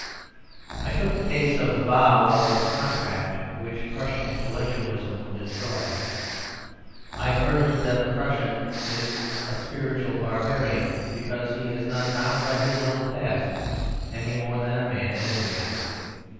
I took the case of the vow or the contract, which Prussian intellectualism would destroy. I urged that the Prussian is a spiritual Barbarian, because he is not bound by his own past, any more than a man in a dream.